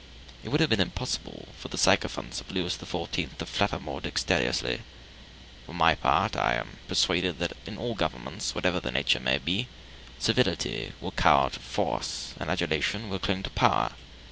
It would have been impossible for the sycophants of Louis XIV to flatter more dexterously. For my part, I am persuaded that in all governments, whatever their nature may be, servility will cower to force, and adulation will cling to power.